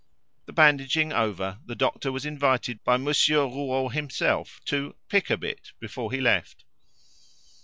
The bandaging over, the doctor was invited by Monsieur Rouault himself to "pick a bit" before he left.